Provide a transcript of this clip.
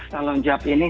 kalau menjawab ini